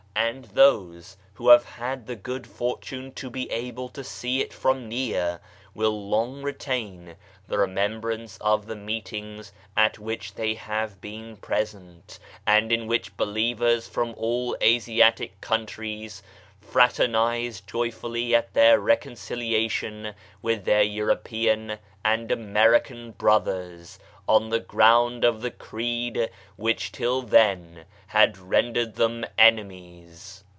And those who have had the good fortune to be able to see it from near, will long retain the remembrance of the meetings at which they have been present, and in which believers from all Asiatic countries fraternise joyfully at their reconciliation with their European and American brothers, on the ground of the " creed " which till then had rendered themenemies.